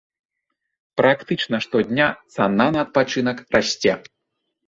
Практычна штодня цана на адпачынак расце.